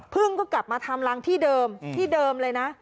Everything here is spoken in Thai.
ก็กลับมาทำรังที่เดิมที่เดิมเลยนะ